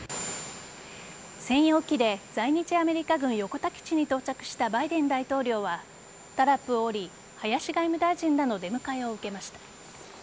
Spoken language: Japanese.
専用機で在日アメリカ軍横田基地に到着したバイデン大統領はタラップを降り林外務大臣らの出迎えを受けました。